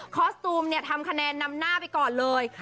สตูมเนี่ยทำคะแนนนำหน้าไปก่อนเลย